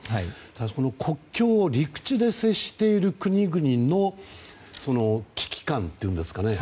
ただ、国境を陸地で接している国々の危機感というんですか